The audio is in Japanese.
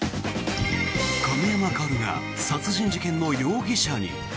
亀山薫が殺人事件の容疑者に。